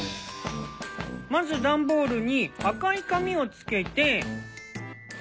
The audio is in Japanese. まずダンボールに赤い紙をつけて。